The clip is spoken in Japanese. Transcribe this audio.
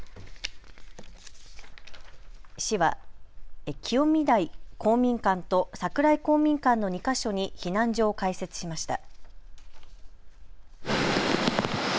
市は清見台公民館と桜井公民館の２か所に避難所を開設しました。